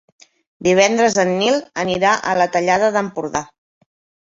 Divendres en Nil anirà a la Tallada d'Empordà.